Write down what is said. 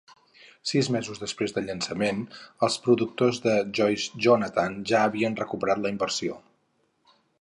Sis mesos després del llançament, els productors de Joyce Jonathan ja havien recuperat la inversió.